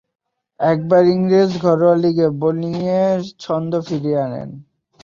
একবার ইংরেজ ঘরোয়া লীগে বোলিংয়ে ছন্দ ফিরিয়ে আনেন।